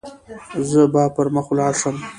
زه به پر مخ ولاړ شم.